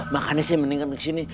makanya saya meninggal di sini